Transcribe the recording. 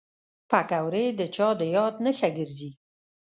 پکورې د چا د یاد نښه ګرځي